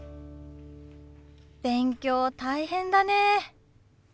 勉強大変だね。